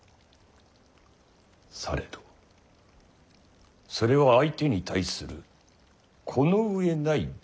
されどそれは相手に対するこの上ない侮辱である。